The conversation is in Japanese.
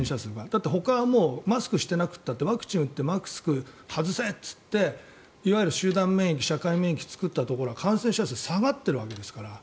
だってほかもマスクしてなくったってワクチンを打ってマスクを外せと言っていわゆる集団免疫社会免疫を作ったところは感染者数が下がっているわけですから。